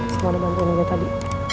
semua yang lo bantuin gue tadi